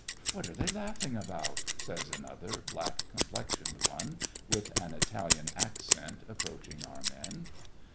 "What are they laughing about?" says an other black complexioned one, with an Italian ac cent, approaching our men.